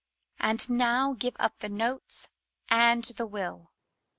And now, give up the notes and the will